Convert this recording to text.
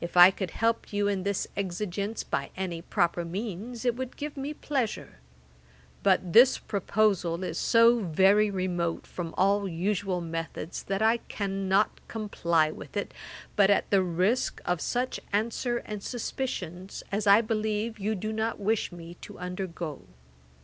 If I could help you in this exigence by any proper means, it would give me pleasure; but this proposal is so very remote from all usual methods, that I cannot comply with it, but at the risk of such answer and suspicions as I believe you do not wish me to undergo.